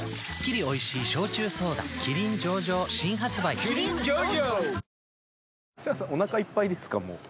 「キリン上々」新発売キリン上々！